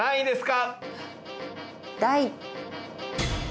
第。